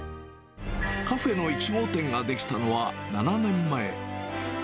カフェの１号店が出来たのは７年前。